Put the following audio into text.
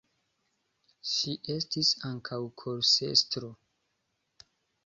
Ŝi estis ankaŭ korusestro.